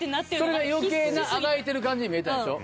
それが余計なあがいてる感じに見えたんでしょ？